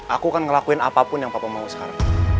aku akan ngelakuin apapun yang papa mau sekarang